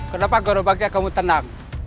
kenapa gorobakria kamu tenang